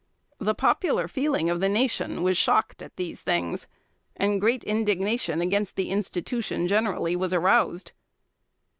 The popular feeling of the nation was shocked at these things, and great indignation against the institution, generally, was aroused.